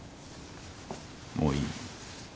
もういい。